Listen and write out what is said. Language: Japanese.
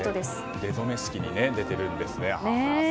出初め式に出ているんですね。